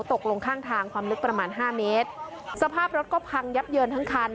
ตกลงข้างทางความลึกประมาณห้าเมตรสภาพรถก็พังยับเยินทั้งคัน